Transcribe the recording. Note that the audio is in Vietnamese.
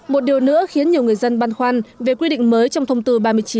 một điều nữa khiến nhiều người dân băn khoăn về quy định mới trong thông tư ba mươi chín